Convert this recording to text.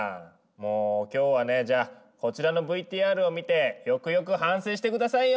もうきょうはねじゃあこちらのＶＴＲを見てよくよく反省してくださいよ！